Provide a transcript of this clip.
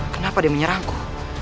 kenapa dia menyerangku